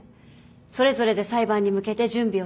それぞれで裁判に向けて準備をしてほしい。